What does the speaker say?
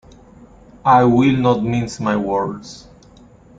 I will not mince my words.